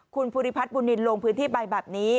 คุณภูริพัฒน์บุญนินลงพื้นที่ไปแบบนี้